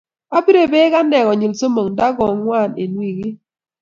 apire bek anee konyil somok nda ko ngwan eng wikii.